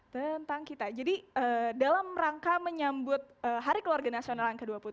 tentang kita jadi dalam rangka menyambut hari keluarga nasional yang ke dua puluh tiga